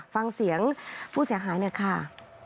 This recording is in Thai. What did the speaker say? ฟังเสียงผู้เสียหายหน่อยค่ะ